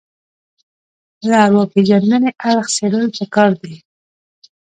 له ارواپېژندنې اړخ څېړل پکار دي